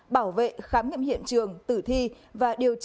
bảo vệ khám nghiệm hiện trường tử thi và điều tra làm rõ vụ việc này